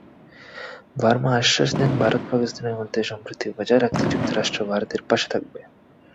ভার্মা আশ্বাস দেন, ভারত-পাকিস্তানের মধ্যে সম্প্রীতি বজায় রাখতে যুক্তরাষ্ট্র ভারতের পাশে থাকবে।